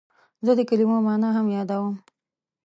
زه د کلمو مانا هم یادوم.